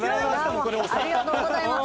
ありがとうございます。